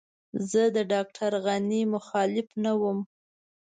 زه د ډاکټر غني مخالف نه وم.